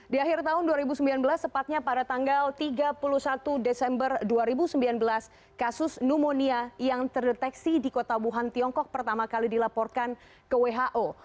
di akhir tahun dua ribu sembilan belas tepatnya pada tanggal tiga puluh satu desember dua ribu sembilan belas kasus pneumonia yang terdeteksi di kota wuhan tiongkok pertama kali dilaporkan ke who